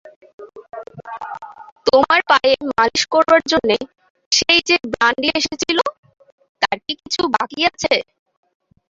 তোমার পায়ে মালিশ করবার জন্যে সেই-যে ব্রাণ্ডি এসেছিল, তার কি কিছু বাকি আছে?